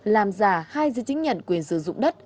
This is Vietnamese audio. làm giả hai giấy chứng nhận quyền sử dụng đất